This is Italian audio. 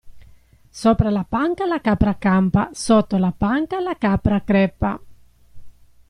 Sopra la panca la capra campa sotto la panca la capra crepa.